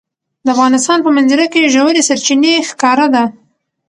د افغانستان په منظره کې ژورې سرچینې ښکاره ده.